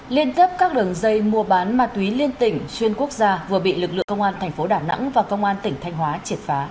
liên cấp các đường dây mua bán ma túy liên tỉnh xuyên quốc gia vừa bị lực lượng công an thành phố đà nẵng và công an tỉnh thanh hóa triệt phá